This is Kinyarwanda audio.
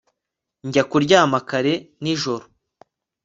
Njya kuryama kare nijoro